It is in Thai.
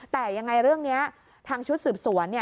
แต่ยังไงเรื่องนี้ทางชุดสืบสวน